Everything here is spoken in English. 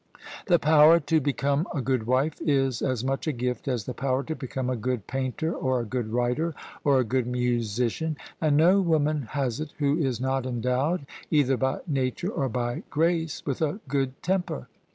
The power to become a good wife is as much a gift as the power to become a good painter or a good writer or a good musician ; and no woman has it who is not endowed— either by nature or by grace — with a good temper.